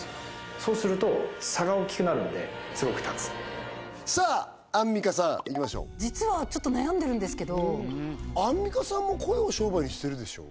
そうすると差が大きくなるのですごく立つさあアンミカさんいきましょう実はちょっと悩んでるんですけどアンミカさんも声を商売にしてるでしょ？